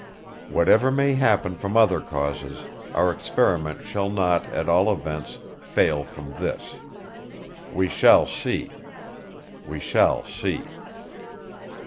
Whatever may happen from other causes, our experiment shall not, at all events, fail from this. We shall see! We shall see!"